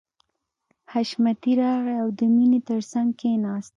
حشمتي راغی او د مینې تر څنګ کښېناست